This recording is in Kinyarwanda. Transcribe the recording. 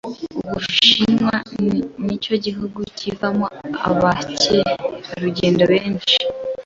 Ubushinwa nicyo gihugu kivamo abakerarugendo benshi